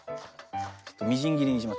みじん切りにします。